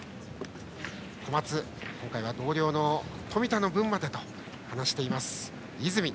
コマツの今回は同僚の冨田の分までと話しています、泉。